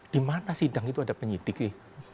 di mana sidang itu ada penyidik ya